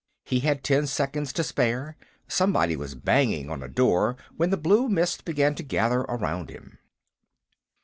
He had ten seconds to spare; somebody was banging on a door when the blue mist began to gather around him.